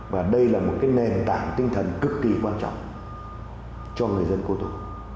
và đây là một cái nền tảng tinh thần cực kỳ quan trọng cho người dân cô tô